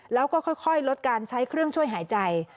แล้วก็ค่อยลดการใช้เครื่องช่วยหายใจ